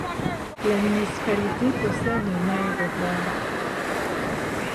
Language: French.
La municipalité possède un aéroport.